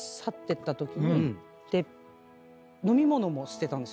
飲み物も捨てたんです